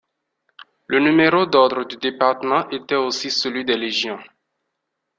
Le numéro d'ordre du département était aussi celui des légions.